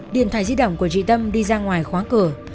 điện thoại di động của chị tâm đi ra ngoài khóa cửa